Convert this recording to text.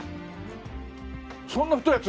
そんな太いやつ！？